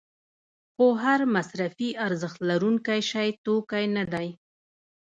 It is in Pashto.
خو هر مصرفي ارزښت لرونکی شی توکی نه دی.